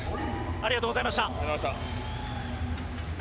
ありがとうございます。